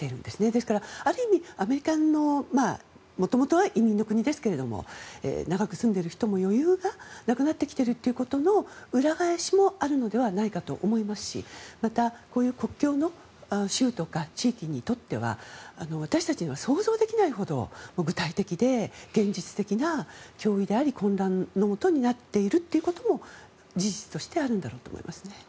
ですから、ある意味アメリカはもともと移民の国ですが長く住んでいる人も余裕がなくなってきているということの裏返しもあるのではないかと思いますしまた、こういう国境の州や地域にとっては私たちが想像できないほど具体的で現実的な脅威であり混乱のもとになっているということも事実としてあるんだろうと思います。